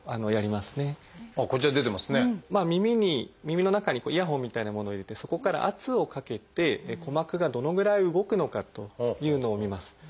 まあ耳に耳の中にイヤホンみたいなものを入れてそこから圧をかけて鼓膜がどのぐらい動くのかというのを診ます。